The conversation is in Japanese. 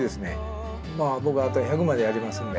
まあ僕はあと１００までやりますんで。